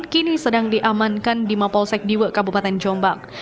kini sedang diamankan di mapolsek diwe kabupaten jombang